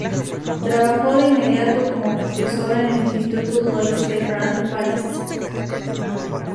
Trabajó de inmediato como profesor en el instituto Louis-le-Grand de París.